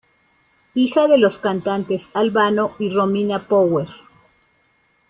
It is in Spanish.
Hija de los cantantes Al Bano y Romina Power.